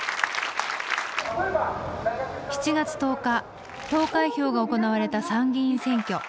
７月１０日投開票が行われた参議院選挙。